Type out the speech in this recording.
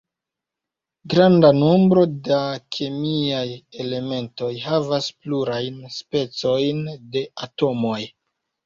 Granda nombro da kemiaj elementoj havas plurajn specojn de atomoj.